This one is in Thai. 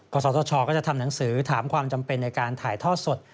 ศตชก็จะทำหนังสือถามความจำเป็นในการถ่ายทอดสด